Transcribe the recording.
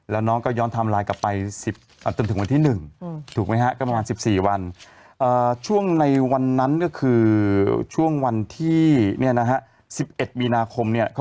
แล้วน้องก็ย้อนไทม์ไลน์กลับไปจนถึงวันที่หนึ่ง